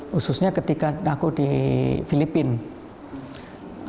khususnya ketika aku di filipina